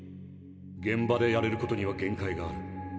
現場でやれることには限界がある。